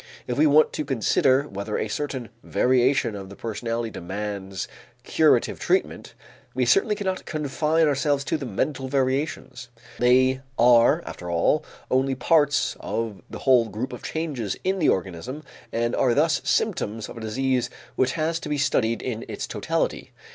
If we want to consider whether a certain variation of the personality demands curative treatment, we certainly cannot confine ourselves to the mental variations. They are after all only parts of the whole group of changes in the organism and are thus symptoms of a disease which has to be studied in its totality.